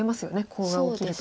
コウが起きると。